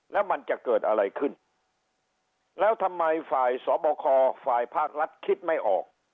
แล้วมันจะเกิดอะไรขึ้นแล้วทำไมฝ่ายสอบคอฝ่ายภาครัฐคิดไม่ออก